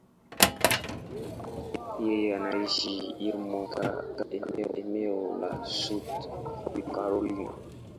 Yeye anaishi Irmo, katika eneo la South Carolina.